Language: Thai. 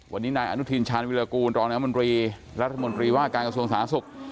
วันนี้นายอนุทินชาญวิรากูลรองน้ำมนตรีรัฐมนตรีว่าการกระทรวงสาธารณสุข